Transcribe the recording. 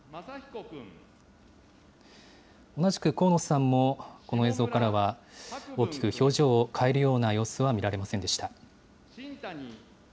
同じく河野さんも、この映像からは、大きく表情を変えるような様子は見られませんでした。